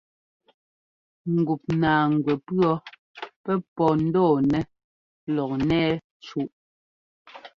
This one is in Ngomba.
Ŋgup naaŋgwɛ pʉɔ́ pɛ́ pɔ́ ńdɔɔ nɛ lɔk ńnɛ́ɛ cúꞌ.